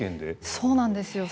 そうなんですよ。